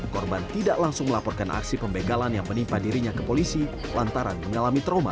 korban tidak langsung melaporkan aksi pembegalan yang menimpa dirinya ke polisi lantaran mengalami trauma